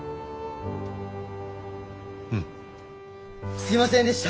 すいませんでした！